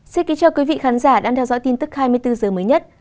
xin kính chào quý vị khán giả đang theo dõi tin tức hai mươi bốn h mới nhất